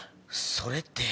それって。